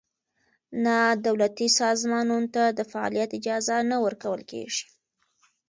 نا دولتي سازمانونو ته د فعالیت اجازه نه ورکول کېږي.